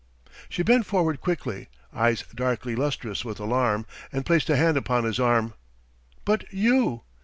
She bent forward quickly, eyes darkly lustrous with alarm, and placed a hand upon his arm. "But you?"